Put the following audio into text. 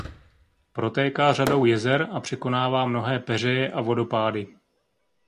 Protéká řadou jezer a překonává mnohé peřeje a vodopády.